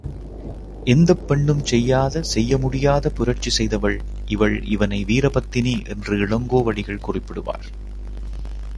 எந்தப் பெண்ணும் செய்யாத, செய்ய முடியாத புரட்சி செய்தவள் இவள் இவளை வீரபத்தினி என்று இளங்கோவடிகள் குறிப்பிடுவார்.